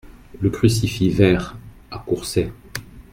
Le Crucifix Vert à Courçay